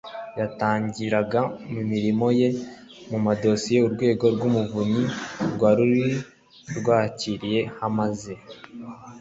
yatangiraga imirimo ye mu madosiye Urwego rw Umuvunyi rwari rwarakiriye hamaze